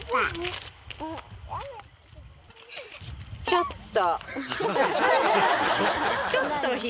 ちょっと。